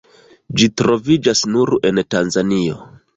Ĝi troviĝas nur en Tanzanio.